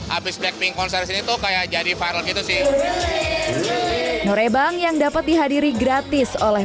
habis blackpink konser sini tuh kayak jadi viral gitu sih norebang yang dapat dihadiri gratis oleh